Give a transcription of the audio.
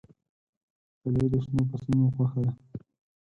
هیلۍ د شنو فصلونو خوښه ده